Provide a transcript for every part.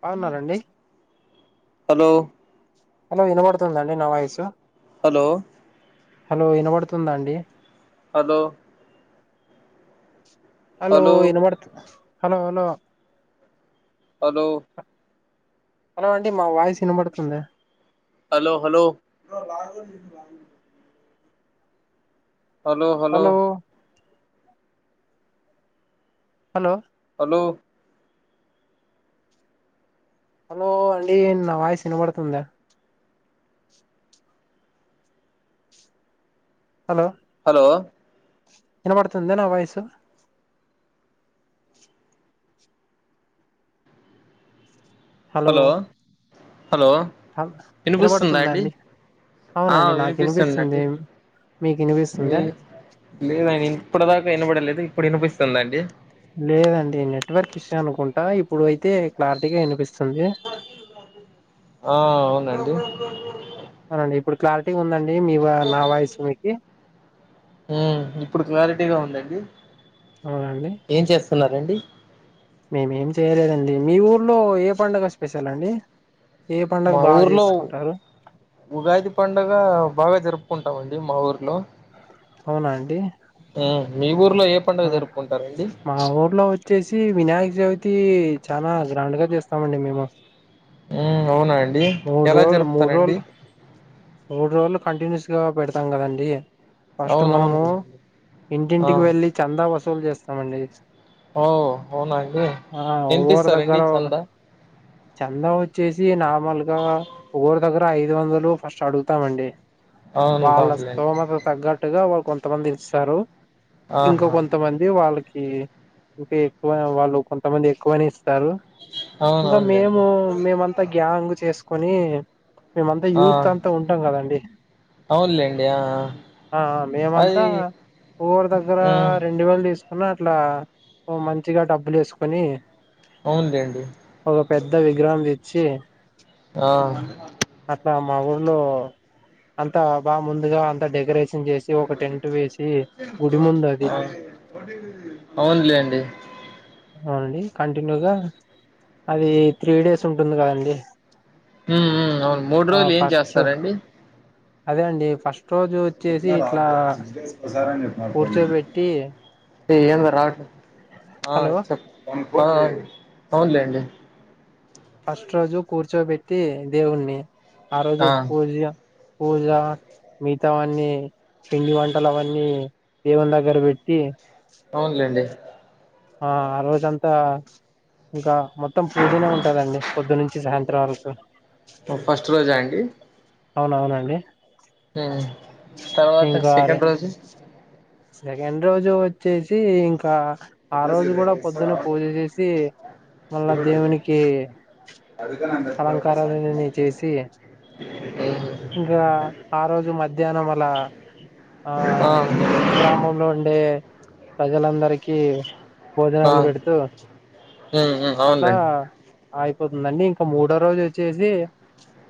బావున్నారండి hello hello ఇనబడుతుందండి నా voice hello hello ఇనబడుతుందా అండి హలో హలో ఇనబడత్ హలో హలో హలో హలో అండి మా వాయిస్ ఇనబడుతుంద hello hello hello hello hello hello hello అండి నా వాయిస్ వినబడుతుందా హలో హలో వినపడుతుందా నా వాయిస్ హలో హలో హల్ ఇనిపిస్తుందా వినబడుతుందా అండి అవునండి నాకు వినిపిస్తుందండి. వినిపిస్తుంది మీకు మీ వినిపిస్తుందా లేదండి ఇప్పటిదాకా వినబడ లేదు ఇప్పుడు ఇనిపిస్తుందండి లేదండి నెట్వర్క్ ఇస్యూ అనుకుంటా ఇప్పుడు అయితే క్లారిటీగా ఇనిపిస్తుంది. ఆ అవునండి అవునండి ఇప్పుడు క్లారిటీ ఉందండి నేమ్ ఇవ నావయిసు మీకి హ్మ్ ఇప్పుడు క్లారిటీగా ఉందండి అవునండి ఏం చేస్తున్నారండి మేమేం చేయలేదండి మీ ఊర్లో ఏ పండగ స్పెషల్ అండి ఏ పండుగ మా బాగా ఊర్లో చేసుకుంటారు ఉగాది పండగ బాగా జరుప్ కుంటామండి మా ఊర్లో అవునా అండ్ హ్మ్ మీ ఊ ఊర్లో ఏ పండగ ఆ జరుపుకుంటారండి మా ఊర్లో వచ్చేసి వినాయక చవితి చాలా గ్రాండ్ గా చేస్తామండి మేము హ్మ్ అవునండి మూడు రోజులు మూడు రోజులు మూడు రోజులు కంటిన్యూస్ పెడతాం కదండి ఫస్ట్ మనము అవునవును ఆ ఇంటింటికి వెళ్ళలి చందా వాసులు వసూలు చేస్తామండి ఓ అవునాండి ఆ ఎంత ఒవ్వరి ఇస్తారు దగ్గర అండి చంద చందా వచ్చేసి నార్మల్ ఒకరు దగ్గర ఐదు వందలు ఫస్ట్ అడుగుతామండి వాళ్ళ అవునువునులేండి స్థోమత తగ్గట్టుగా వాళ్ళు కొంతమంది ఇస్తారు ఇంకా ఆహా కొంతమంది వాళ్ళకి ఇంకా ఎక్కువ వాళ్ళు కొంతమంది ఎక్కువనే ఇంకా అవునవునులేండి మేము మేమంతా గ్యాంగ్ చేసు నీ మేమంతా ఆ యూత్ అంతా ఉంటాం కదండి అవునులేండి ఆ ఆ. ఆ అది మేమంతా ఎవరి దగ్గర మ్మ్ రెండు వేలు తీసుకు అందరూ అట్లా మంచిగా డబ్బులు వేసుకొని అవునులేండి ఒక పెద్ద విగ్రహం తెచ్చి ఆ అట్లా మా ఊర్లో అంతా బాగా ముందుగా అంత డెకరేషన్ ఒక టెంట్ వేసి గుడి ముందు అది ఆ, అవునులేండి అవునండి కంటిన్యూ గా అది త్రీ డేస్ ఉంటుంది కదండి ఉ అవును మూడు ఆ రోజులు ఏం ఫస్ట్ చేస్తారండి అదే అండి ఫస్ట్ రోజు క్లియర్ వచ్చేసి గా ఇట్లా రావటం కూర్చోబెట్టి లేదు హలో చెప్పు ఆ అవునులేండి ఫస్ట్ రోజు కూర్చోబెట్టి దేవుని ఆ రోజు పూజ పూజా మిగతావని పిండి వంటలు అవన్నీ దేవుడు దగ్గర పెట్టి అవునులేండి ఆ ఆ రోజ అంతా ఇంకా మొత్తం పూజనే ఉంటాదండి పొద్దునుంచి సాయంత్రం వరకు ఫస్ట్ రోజ అండి అ అవునవునండి హ తర్వాత ఇంకా సెకండ్ రోజు సెకండ్ రోజు వచ్చేసి ఇంకా ఆ రోజు కూడా పొద్దున్న పూజ చేసి మళ్ళా దేవునికి అలంకారాలీ చేసి ఇంకా ఆ రోజు మధ్యాహ్నం అలా ఆ గ్రామంలో ఉండే ప్రజలందరికీ ఆ భోజనాలు పెడుతూ హ్మ్ హ్మ్ అట్లా అవునులేండి అయిపోతుందండి ఇంకా మూడో రోజు వచ్చేసి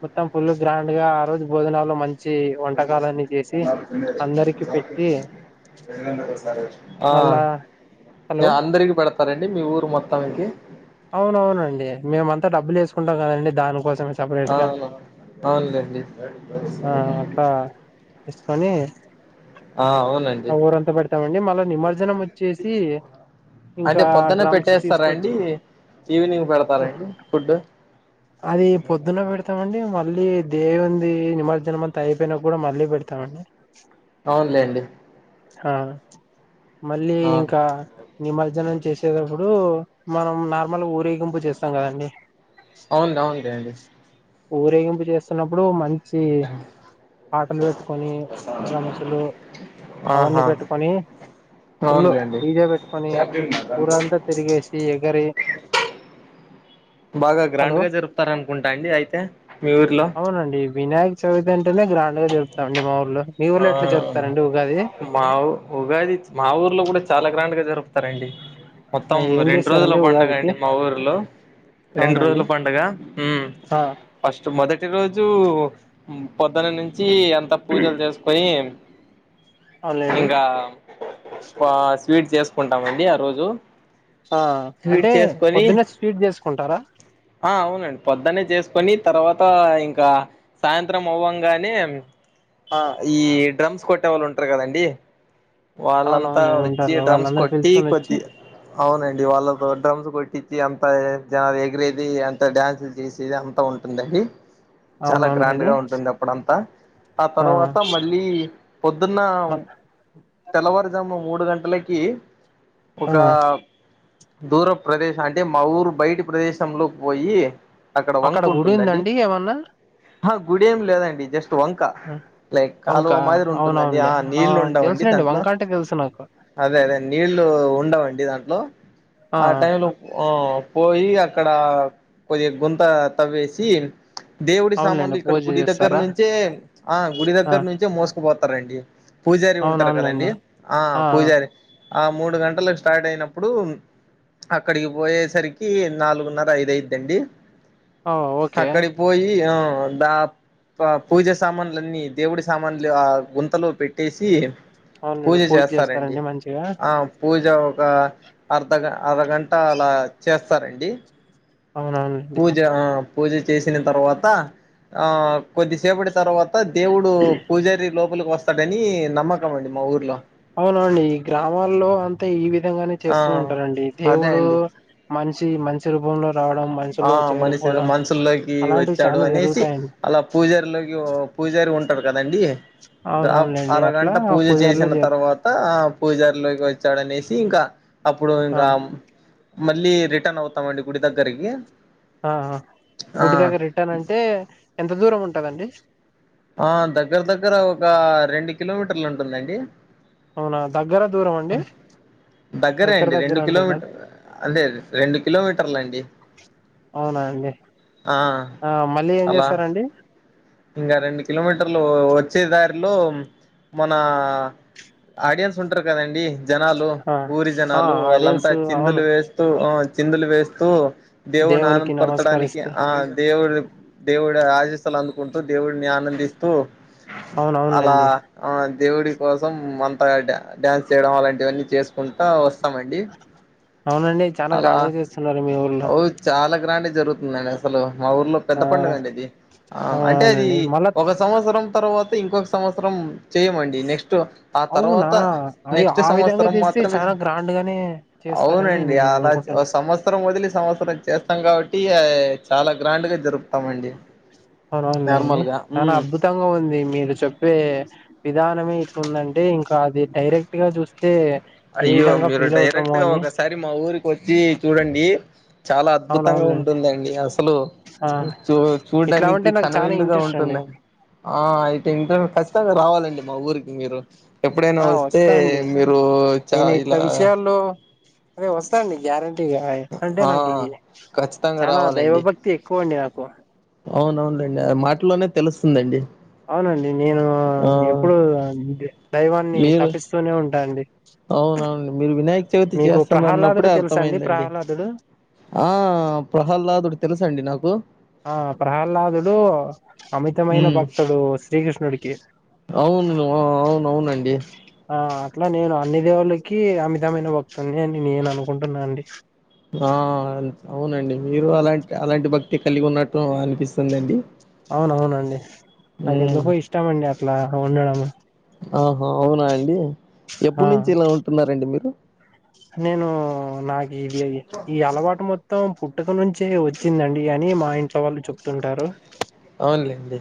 మొత్తం ఫుల్ గ్రాండ్గా ఆ రోజు భోజనాల్లో మంచి వచ్చి వంటకాలన్నీ చేసి అందరికి పెట్టి ఆ మళ్ళా హలో అందరికి ప పెడతారండి మీ ఊరు మొత్తానికి అవునవునండి మేమ అంతా డబ్బులు వేసుకుాం కదండి దానికోసం ఆ సపరేట్గా అవునులేండి ఆ అక్క తీసుకొని ఆ ఆ అవునండి ఊరంత పెడతామండి మళ్ళా నిమజ్జనం వచ్చేసి అంటే ఇంకా పొద్దున్న డ్రమ్స్ పెట్టేస్తారా అండి తీసుకొచ్చి ఈవినింగ్ పెడతారండి ఫుడ్ అది పొద్దున్న పెడతామండి మళ్ళీ దేవు ఉంది నిమజ్జనం అంతా అయిపోయినా కూడా మళ్ళీ పెడతామండి అవునులేండి ఆ మళ్ళీ ఆ ఇంకా నిమజ్జనం చేసేటప్పుడు మనం నార్మల్గా ఊరేగింపు చేస్తాం కదండి అవును అవుంది అండి ఊరేగింపు చేస్తున్నప్పుడు మంచి వచ్చి పాటలు పెట్టుకొని సులు అవన్నీ ఆహా పెట్టుకొని పులు అవునులేండి జ పెట్టుకొని ఊరంతా తిరిగేసి ఎ క్కరే బాగా గ్రాండ్ గా జరుపుతార అనుకుంటా అండి అయితే మీ ఊర్లో అవునండి వినాయక చవితి అంటేనే గ్రాండ్ గా దిరుతాండి మాఊల్లో మీ ఆ వల ఎట్లా జరుగుతారండి మా ఊ ఉగాది మా ఊర్లో కూడా చాలా గ్రాండ్గా దరుపుతారండి ఆ మొత్తం ఏం రెండు రోజుల చేస్తారండి పడుగ ఉగాదికి అండి మా ఊర్లో రెండు రోజుల అవునండి పడుగ ఆ ఫస్ట్ మొదటి రోజు పొద్దున నిన్ వచ్చి అంత పూజలు చేసు ఏం అవునులేండి ఇంకా పా స్ట్వీట్ చేసుకుంటామండి ఆ రోజు ఆ స్వీట్ అంటే చేసుకొని పొద్దున్నే స్వీట్ చేసుకుంటారా ం పొద్దునే చేసుకొని తర్వాత ఇంకా సాయంత్రం అవ్వంగానే ఆ ఈ డ్రమ్స్ కొట్టే ఎ వాళ్ళు ఉంటారు కదండి వాళ్ళంతా అవునవును వచ్చి ఉంటారు డ్రమ్స్ వాళ్ళందరూ కొట్టి పిలుచుకొని వచ్చి కొద్ది అవునండి అండి వాళ్ళతో డ్రమ్స్ కొట్టించిి అంత జనాలు ఎగిరేది అంత డ్యాన్సులు చేసేది అంత ఉంటుందండి చాలా గ్రాండ్ అవునవునులేండి గా ఉంటుంది అప్పుడంతా ఆ తర్వాత త్త మళ్ళీ పొద్దున్న మ తెల్లవారుజామున మూడు గంటలకి ఆ ఒక దూర ప్రదేశం అంటే మా ఊరు బయటి ప్రదేశంలోకి పోయి అక్కడ వంక గుడి ఉంటుందండి ఉందండి ఏమన్నా ఆహా గుడేమి లేదండి జస్ట్ వంక లైక్ కాలువ వంకా మాదిరి ఉంటుందండి ఆ అవునవునులే నీళ్ళు ఉండవండి తెలుసులేండి దాంట్లో వంక అంటే తెలుసు నాకు అదే అదే నీళ్ళు ఉండవండి దాంట్లో ఆ టైంలో పోయి అక్కడ కొద్దిగా గుంత తవ్వేసి దేవుడి సామాన్లు అవునులేండి ఇక్కడ పూజ గుడి దగ్గర చేస్తారా నుంచే ఆ గుడి ఆ దగ్గర నుంచి మో పోతారండి పూజారి ఉంటారు కదండి అవునవునులేండి ఆ పూజారి ఆ మూడు గంటలకు స్టార్ట్ అయినప్పుడు అక్కడికి పోయేసరికి నాలుగున్నర ఐదయిదండి ఆ ఓహ్! ఓకే అక్కడి పోయి ఆ దా పూజ సామాన్లు అన్నీ దేవుడి సామాన్లు ఆ గుంతలో పెట్టేసి పూజ చేస్తారండి ఆ పూజ ఒక అర్ధ అరగంట అలా చేస్త సరే అండి అవునవునండి పూజ చేసిన తర్వాత ఆ కొద్దిసేపటి తర్వాత దేవుడు పూజారి లో వస్తడి [unintelligible] అవునండి ఈ గ్రామాల్లో అంతే ఈ విధ విధంగానే ఆ చేస్తూ ఉంటారండి అదే దేవుడు అండి మంచి మంచి మంచి రూపంలో రావడం ఆ మనిషిలో మనిషి చేరుకోవడం మనుషుల్లోకి అలాంటివి వచ్చాడు చాలా అనేసి జరుగుతాయండి అలా పూజారిలోకి పూజారి ఉంట అండి అవునవునులేండి అట్లా అరగంట పూజ పూజారులు చేసిన చేరు తర్వాత ఆ పూజారిలోకి వచ్చాడనేసి ఇంకా అప్పుడు ఇంకా ఆ మళ్ళీ రిటర్న్ అవుతామండి గుడి దగ్గరికి ఆ ఆ గుడిదగ రిటర్న్ అంటే ఎంత ఎంత దూరం ఉంటదండి ఆ దగ్గర దగ్గర ఒక రెండు కిలోమీటర్ లు ఉంటుందండి అవునా దగ్గర దూరం అండి దగ్గరే దగ్గర అండి దగ్గర రెండు అంటున్నా కిలోమీటర్ అదే రెండు కిలోమీటర్లు అండి అవునా అండి ఆ ఆ మళ్ళీ ఏం అలా చేస్తారండి ఇంకా రెండు కిలోమీటర్లు వచ్చే దారిలో మన ఆడియన్స్ ఉంటారు కదండి జనాలు ఆ ఊరి ఆ జనాలు వాళ్ళంతా ఆడియన్స్ అవును చిందులు వేస్తూ చిందులు వేస్తూ దేవుడిని దేవునికి ఆనందపరచడానికి నమస్కరిస్తూ ఆ దేవుడు దేవుడు రాజస్ల అందుకుంటూ దేవుడిని ఆనంద అవును [unintelligible] అలా అవునులేండి ఆ దేవుడి కోసం అంతగా డ్యాన్స్ చేయడం అలాంటివన్నీ చేసుకుంటా వస్తామండి అవునండి చాలా అలా గ్రాండ్ గా చేస్తున్నారు మీ ఊర్లో అవు చాల గ్రాండ్ గాజరుగుతుందండి అసలు మా ఊర్లో పెద్ద ఆ పండుగ అండి అది ఆ అంటే అది అవునవునండి మళ్ళా ఒక సంవత్సరం తర్వాత ఇంకొక సంవత్సరం చేయమండి నెక్స్ట్ ఆ అవునా తర్వాత అయ్యో నెక్స్ట్ ఆ విధంగా సంవత్సరం చేస్తే మాత్రమే చాలా గ్రాండ్ గానే చేస్తారని అవునండి నేను అలా అనుకుంటున్నా సంవత్సరం వదిలి సంవత్సరం చేస్తాం కాబట్టి చాలా గ్రాండ్ గా జరుపుతామండి అవునవును లేండి నార్మల్ గా చాలా ఉమ్ అద్భుతంగా ఉంది మీరు మీరు చెప్పే విధానమే ఇట్ందంటే ఇంకా అది డైరెక్ట్ గా చూస్తే ఏ అయ్యో విధంగా మీరు ఫీల్ అవుతామో డైరెక్ట్ గా అని ఒకసారి మా ఊరికి వచ్చి చూడండి చాలా అద్భుతంగా అవునవునులేండి ఉంటుందండి అసలు ఆ చూ చూ ఇట్లా ఉంటే చూడ్డానికి నాకు చానా కనువిందుగా ఇంట్రెస్ట్ అండి ఉంటుంది ఆ ఐ [unintelligible] ఖచ్చితంగా రావాలండి మా ఊరికి మీరు ఎప్పుడైనా ఆ వస్తే వస్తా అండి మీరు చ నేను ఇట్లా ఇలా విషయాల్లో దే వస్తా అండి గ్యారన్ టి ఇగ ఆయ్ అంటే ఆ నాకి ఖచ్చితంగా చానా దైవ భక్తి ఎక్కువండి కో అవునవునండి అది మాటలోనే తెలుస్తుందండి అవునండి నేను ఆ ఎప్పుడు దైవాన్ని తపిస్తూనే ఉంటా అండి అవునవునండి మీరు వినాయక చవితి మీకు చేస్తార న్నప్పుడే ప్రహ్లాదుడు తెలుసా అండి అర్థమైందండి ప్రహ్లాదుడు ఆ ప్రహ్లాదుడు తెలుస అండి నాకు ఆ ప్రహ్లాదుడు అమితమైన ఉమ్ భక్తుడు శ్రీకృష్ణుడికి అవును ఆ ఔను అవునండి ఆ అట్లా నేను అన్ని దేవుళ్ళకి అమితమైన భక్తుడ్ని అని నేను అనుకుంటున్నా అండి ఆ అవునండి మీరు అలాంటి అలాంటి భక్తి కలిగి ఉన్నట్టు అన్ అవునవునండి మ్మ్ నాకెందుకో ఇష్టమండి అట్లా ఉండడం ఆహా అవునా అండి ఆ ఎప్పుడు నుంచి ఇలా ఉంటున్నారండి మీరు నేను నా [unintelligible] ఈ అలవాటు మొత్ త్తం పుట్టుక నుంచే వచ్చిందన్ డి అని మా ఇంట్లో వాళ్ళు చెప్ తుంటారు అవునులేండి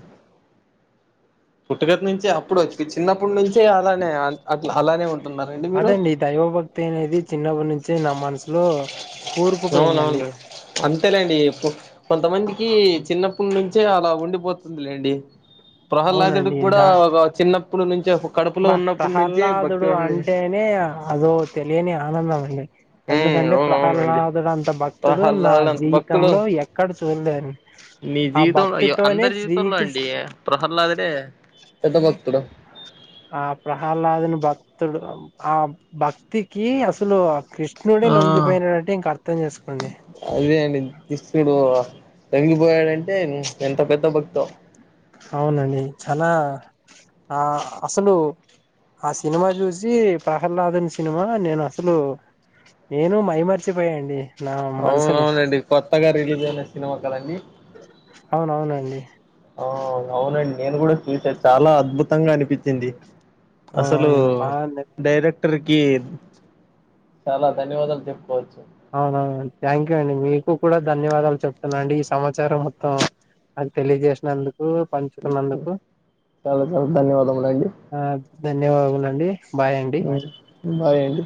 పుట్టుకతి నుంచి అప్పుడు చిన్నప్పుటి నుంచి అలానే అట్లా అలానే ఉంటున్నారండి మీరు అదండి దైవభక్తి అనేది చిన్నప్పడి నుంచి నా మనసులో కూరుకుపోయిందండి అవునవును అంతేలేండి కొంతమందికి చిన్నప్పటి నుంచే అలా ఉండిపోతుందిలేండి ప్రహ్లాదుడికి అవునండి కూడా దాష్ ఒక చిన్నప్పుడు నుంచే కడుపులో బా ఉన్నప్పటి నుంచే భక్తి ప్రహల్లాదుడు ఉంది అంటేనే అదో తెలియని ఆనందం అండి మ్మ్ ఎందుకంటే అవునవునండి ప్రహ్లానాదుడుంత భక్తుడు నా ప్రహ్లాదుడు అంత భక్తుడు జీవితంలో ఎక్కడ ఇ లేడి నీ జీవితంలో అందరి జీవితంలో శ్రీకృష్ణ అండి ప్రహ్లాదే ఎంత భతుడు ఆ ప్రహ్లాదని భక్తుడు ఆ భక్తికి అసలు కృష్ణుడే ఆ లొంగిపోయినాడంటే ఇంక అర్థం చేసుకోండి శిస్తుడు తంగిపోయాడంటే ఎంత పెద్ద భక్తం అవునండి చాలా ఆ అసలు ఆ సినిమా చూసి ప్రహ్లానాదన్ సినిమా నేను అసలు నేను మైమర్చిపోయా అండి అవును అవునండి కొత్తగా రిలీజ్ అయినా సినిమా న్న అవున అవునండి ఆ అవునండి నేను కూడా చూసా చాలా అద్భుతంగా అనిపించింది అసలు అవునవునండి బాగా డైరెక్ట్ చాలా ధన్యవాదాలు చెప్పుకోవచ్చు అవునవు థ్యాంక్ యూ అండి మీకు కూడా ధన్యవాదాలు చెప్తున్నా అండి ఈ సమాచారం మొత్తం అది తెలియజేసినందు చాలు చాలు ధన్యవాద అ మలాజ ధన్యవాదుముల అండి అేడి